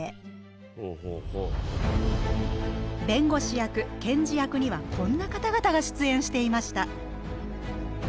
弁護士役検事役にはこんな方々が出演していました。